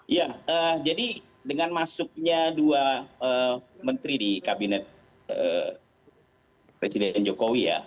ya jadi dengan masuknya dua menteri di kabinet presiden jokowi ya